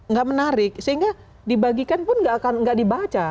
nggak menarik sehingga dibagikan pun nggak dibaca